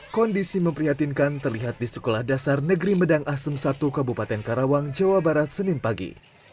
kondisi memprihatinkan terlihat di sekolah dasar negeri medang asem satu kabupaten karawang jawa barat senin pagi